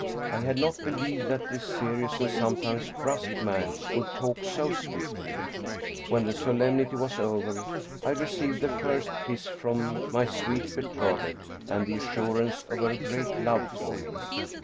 I had not believed that this serious and sometimes brusque man could talk so sweetly. When the solemnity was over, I received the first kiss from my sweet betrothed, and the assurance of her great love for me.